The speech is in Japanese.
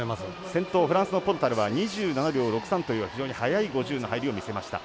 先頭フランスのポルタルは２７秒６３という非常に速い５０の入りを見せました。